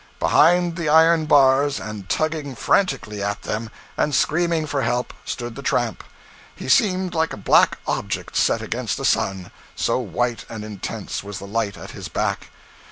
Behind the iron bars, and tugging frantically at them, and screaming for help, stood the tramp; he seemed like a black object set against a sun, so white and intense was the light at his back.